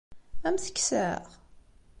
Ad am-t-kkseɣ?